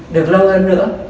được lâu hơn nữa